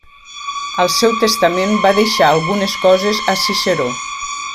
Al seu testament va deixar algunes coses a Ciceró.